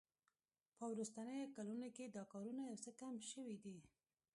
په وروستیو کلونو کې دا کارونه یو څه کم شوي دي